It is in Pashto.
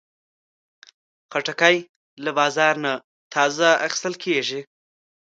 خټکی له بازار نه تازه اخیستل کېږي.